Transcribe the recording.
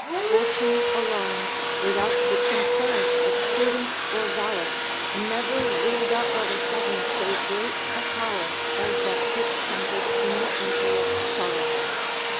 Fortune alone, without the concurrence of prudence or valor, never reared up of a sudden so great a power as that which centred in the emperor Charles.